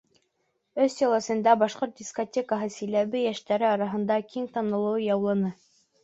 Өс йыл эсендә башҡорт дискотекаһы Силәбе йәштәре араһында киң танылыу яуланы.